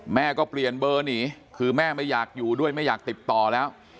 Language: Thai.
แม่ก็เปลี่ยนเบอร์หนีคือแม่ไม่อยากอยู่ด้วยไม่อยากติดต่อแล้ว